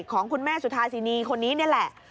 ของคุณแม่สุธาสินีคนนี้นี่แหละ